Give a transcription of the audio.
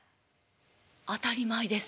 「当たり前です。